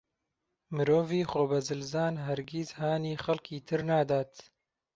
مرۆڤی خۆبەزلزان هەرگیز هانی خەڵکی تر نادات.